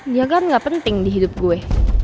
dia kan gak penting di hidup gue